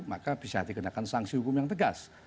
maka bisa dikenakan sanksi hukum yang tegas